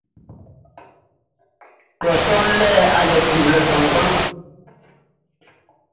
Klɔ sɔʼn le aliɛ diwlɛ kpanngban.